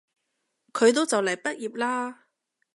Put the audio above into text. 佢都就嚟畢業喇